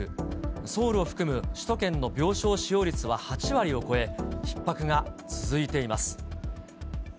ソウルを含む首都圏の病床使用率は８割を超え、ひっ迫が続いています。